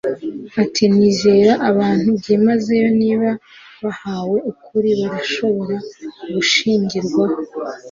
Ati Nizera abantu byimazeyo Niba bahawe ukuri barashobora gushingirwaho